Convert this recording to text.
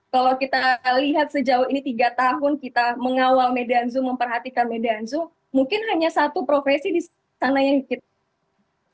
kalau kita lihat sejauh ini tiga tahun kita mengawal medan zoom memperhatikan medan zoom mungkin hanya satu profesi di sana yang kita lakukan